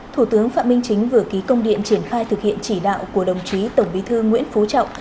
thủ tướng phạm minh chính vừa ký công điện triển khai thực hiện chỉ đạo của đồng chí tổng bí thư nguyễn phú trọng